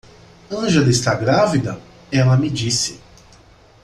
Angela está grávida? ela me disse.